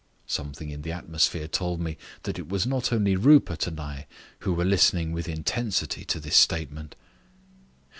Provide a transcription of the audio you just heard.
Something in the atmosphere told me that it was not only Rupert and I who were listening with intensity to this statement.